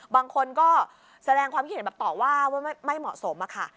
บางคนก็แสดงความคิดเห็นแบบต่อว่าว่าไม่เหมาะสมอะค่ะ